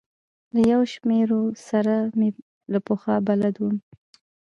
له یو شمېرو سره مې له پخوا بلد وم.